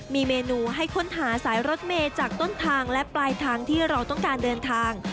มีเมนูให้ค้นหาสายรถเมย์จากต้นทางและปลายทางที่เราต้องการเดินทาง